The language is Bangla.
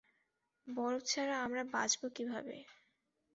বরফ ছাড়া আমরা বাঁচব কীভাবে?